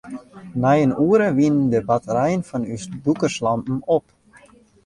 Nei in oere wiene de batterijen fan ús dûkerslampen op.